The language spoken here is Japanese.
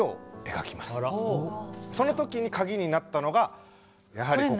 その時に鍵になったのがやはりここ。